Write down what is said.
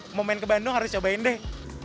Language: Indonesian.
kayak mau nyobain ke bandung harus nyobain deh